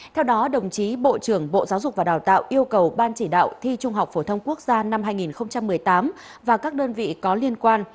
theo đó đồng chí bộ trưởng bộ giáo dục và đào tạo yêu cầu ban chỉ đạo thi trung học phổ thông quốc gia năm hai nghìn một mươi tám và các đơn vị có liên quan